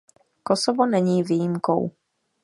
Kosovo není výjimkou.